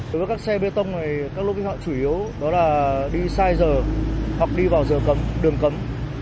đối với các xe bê tông này các lúc ý họa chủ yếu đó là đi sai giờ hoặc đi vào giờ cấm đường cấm